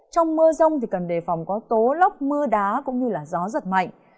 trong mưa rông thì cần đề phòng có tố nóc mưa đá cũng như là gió rất mạnh